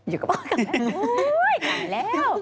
อยู่กับพ่อแม่อุ๊ยอยู่แล้ว